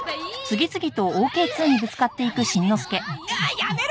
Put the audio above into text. やめろ！